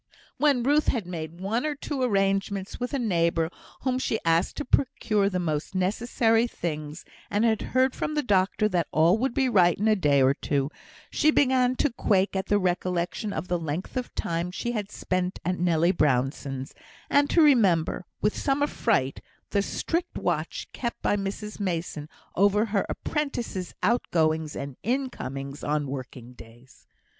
When Ruth had made one or two arrangements with a neighbour, whom she asked to procure the most necessary things, and had heard from the doctor that all would be right in a day or two, she began to quake at the recollection of the length of time she had spent at Nelly Brownson's, and to remember, with some affright, the strict watch kept by Mrs Mason over her apprentices' out goings and in comings on working days.